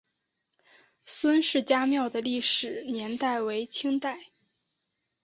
孙氏家庙的历史年代为清代。